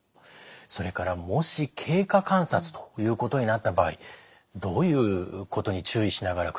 それからもし経過観察ということになった場合どういうことに注意しながら暮らしていく必要あるんでしょうか？